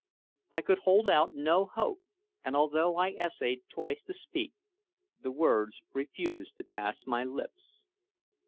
I could hold out no hope; and although I essayed twice to speak, the words refused to pass my lips.